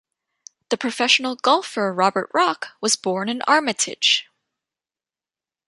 The professional golfer Robert Rock was born in Armitage.